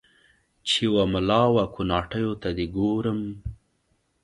چې و مـــلا و کوناټیــــو ته دې ګورم